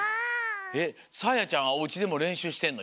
えっさあやちゃんはおうちでもれんしゅうしてんの？